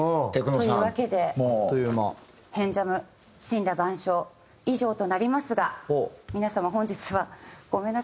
というわけで「変ジャム森羅万ＳＨＯＷ」以上となりますが皆様本日はごめんなさい。